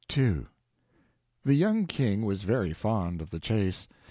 II The young king was very fond of the chase.